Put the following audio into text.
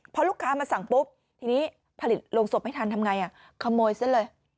พอลูกค้ามาสั่งปุ๊บทีนี้ผลิตโรงศพไม่ทันทำไงขโมยซะเลย